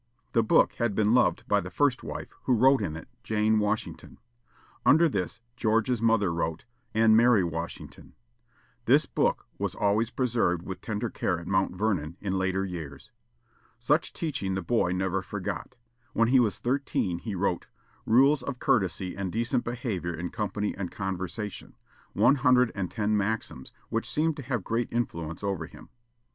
The book had been loved by the first wife, who wrote in it, "Jane Washington." Under this George's mother wrote, "and Mary Washington." This book was always preserved with tender care at Mount Vernon, in later years. Such teaching the boy never forgot. When he was thirteen, he wrote "Rules of courtesy and decent behavior in company and conversation," one hundred and ten maxims, which seemed to have great influence over him.